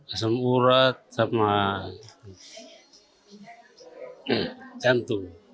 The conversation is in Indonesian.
asam urat sama jantung